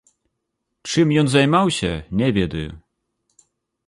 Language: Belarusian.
Чым ён займаўся, не ведаю.